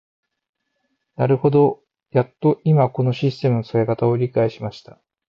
なるほど、やっと今このシステムの使い方を理解しました。